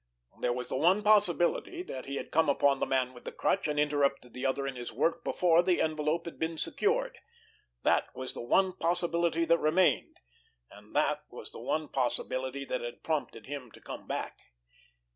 There was the one possibility that he had come upon the Man with the Crutch and interrupted the other in his work before the envelope had been secured. That was the one possibility that remained, and that was the one possibility that had prompted him to come back.